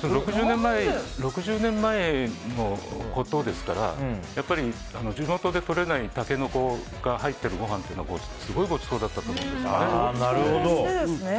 ６０年前のことですからやっぱり地元でとれないタケノコが入ってるご飯はすごいごちそうだったと思うんです。